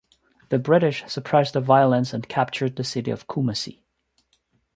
The British suppressed the violence and captured the city of Kumasi.